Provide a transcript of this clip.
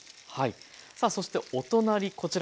さあそしてお隣こちら。